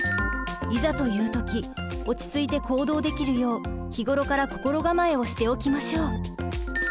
いざという時落ち着いて行動できるよう日頃から心構えをしておきましょう。